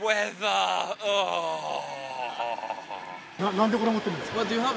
なんでこれ持ってるんですか？